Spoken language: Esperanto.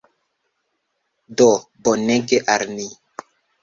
Do bonege al ni.